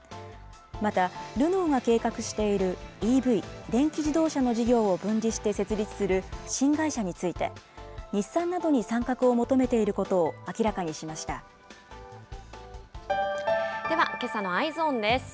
またルノーが計画しているＥＶ・電気自動車の事業を分離して設立する新会社について、日産などに参画を求めていることを明らかにでは、けさのＥｙｅｓｏｎです。